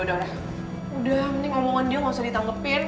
udah mending ngomongin dia gak usah ditanggepin